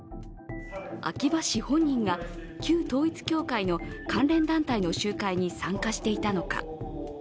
秋葉氏本人が旧統一教会の関連団体の集会に参加していたのか。